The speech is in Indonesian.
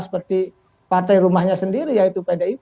seperti partai rumahnya sendiri yaitu pdip